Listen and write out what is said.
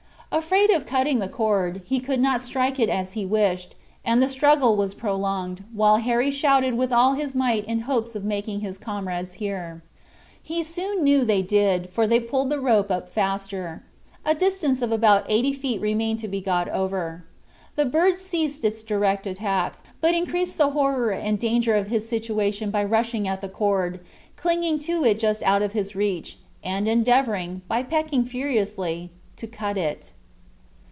Afraid of cutting the cord, he could not strike it as he wished, and the struggle was prolonged, while Harry shouted with all his might in hopes of making his comrades hear. He soon knew they did, for they pulled the rope up faster; a distance of about eighty feet remained to be got over. The bird ceased its direct attack, but increased the horror and danger of his situation by rushing at the cord, clinging to it just out of his reach, and endeavoring, by pecking furiously, to cut it.